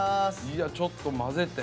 いやちょっと混ぜて。